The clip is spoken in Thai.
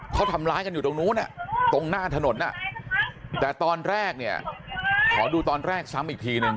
เขาทำร้ายกันอยู่ตรงนู้นตรงหน้าถนนแต่ตอนแรกเนี่ยขอดูตอนแรกซ้ำอีกทีนึง